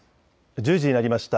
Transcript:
１０時になりました。